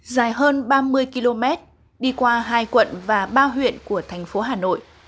dài hơn ba mươi km đi qua hai quận và ba huyện của thành phố hà nội